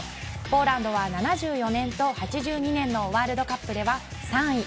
ポーランドは７４年と８２年のワールドカップでは３位。